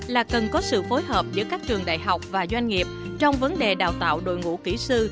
là cần có sự phối hợp giữa các trường đại học và doanh nghiệp trong vấn đề đào tạo đội ngũ kỹ sư